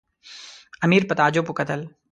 امیر په تعجب وکتل.